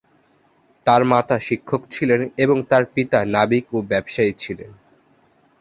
তার মাতা শিক্ষক ছিলেন এবং তার পিতা নাবিক ও ব্যবসায়ী ছিলেন।